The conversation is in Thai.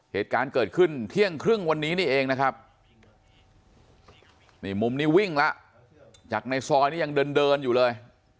เหตุการณ์เกิดขึ้นเที่ยงครึ่งวันนี้นี่เองนะครับนี่มุมนี้วิ่งแล้วจากในซอยนี่ยังเดินอยู่เลย